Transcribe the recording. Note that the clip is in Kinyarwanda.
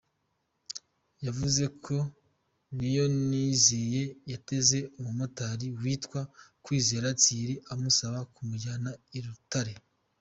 Yavuze ko Niyonizeye yateze umumotari witwa Kwizera Thiery amusaba kumujyana i Rutare.